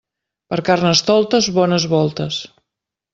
Per Carnestoltes, bones voltes.